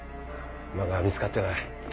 まだ見つかってない。